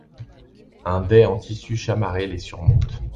Un dais en tissu chamarré les surmonte.